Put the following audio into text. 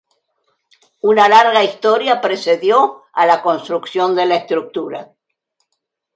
Una larga historia precedió a la construcción de la estructura.